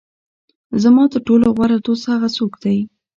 زما تر ټولو غوره دوست هغه څوک دی.